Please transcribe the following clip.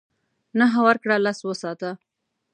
نهه ورکړه لس وساته .